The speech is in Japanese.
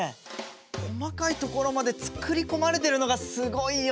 細かい所まで作り込まれてるのがすごいよね！